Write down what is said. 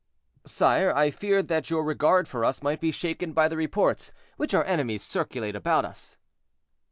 "Sire, I feared that your regard for us might be shaken by the reports which our enemies circulate about us."